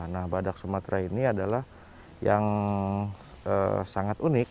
nah badak sumatera ini adalah yang sangat unik